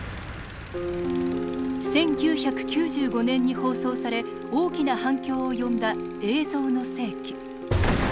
１９９５年に放送され大きな反響を呼んだ「映像の世紀」。